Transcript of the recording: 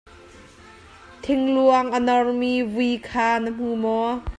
Thingluang a nor mi vui kha na hmu maw?